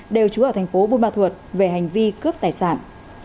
đều chú ở thành phố vân ba thuật về hành vi cướp tài sản